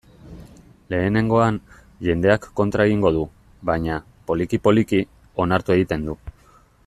Lehenengoan, jendeak kontra egingo du, baina, poliki-poliki, onartu egiten du.